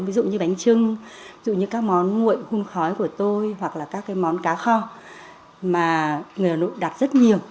ví dụ như bánh trưng ví dụ như các món nguội hun khói của tôi hoặc là các món cá kho mà người hà nội đặt rất nhiều